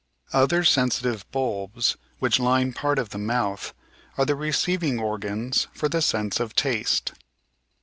Other sensitive bulbs, which line part of the mouth, are the receiving organs for the sense of taste.